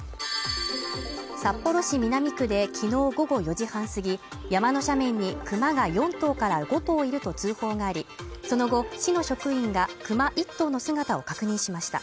札幌市南区できのう午後４時半すぎ、山の斜面にクマが４頭から５頭いると通報があり、その後、市の職員がクマ１頭の姿を確認しました。